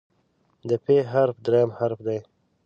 د "پ" حرف دریم حرف دی.